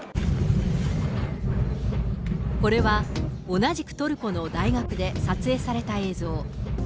これは同じくトルコの大学で撮影された映像。